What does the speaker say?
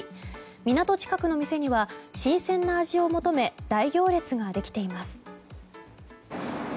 港近くの店には新鮮な味を求め大行列ができています。